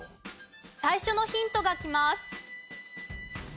最初のヒントがきます。